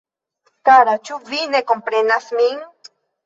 Kara ĉu vi ne komprenas min?